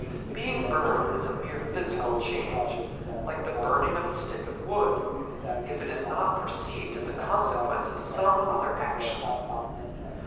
Being burned is a mere physical change, like the burning of a stick of wood, if it is not perceived as a consequence of some other action.